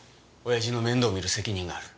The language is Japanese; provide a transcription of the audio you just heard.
親父の面倒をみる責任がある。